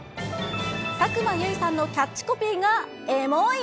佐久間由衣さんのキャッチコピーがエモい。